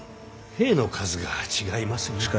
兵の数が違いますゆえ。